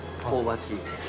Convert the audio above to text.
香ばしい。